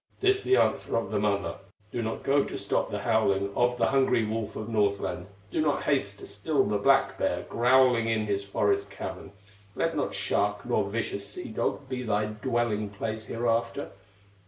This the answer of the mother: "Do not go to stop the howling Of the hungry wolf of Northland; Do not haste to still the black bear Growling in his forest cavern; Let not shark, nor vicious sea dog Be thy dwelling place hereafter.